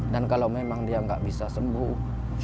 dan kalau memang dia enggak bisa sembuh